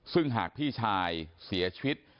ซึ่งหากพี่ชายเสียชีวิต